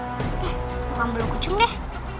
bukan bulu kucing deh